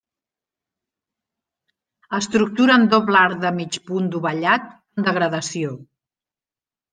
Estructura en doble arc de mig punt dovellat en degradació.